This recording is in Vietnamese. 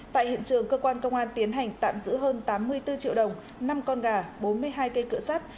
tại hiện trường cơ quan công an tiến hành tạm giữ hơn tám mươi bốn triệu đồng năm con gà bốn mươi hai cây cựa sắt